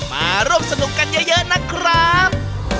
มาร่วมสนุกกันเยอะนะครับ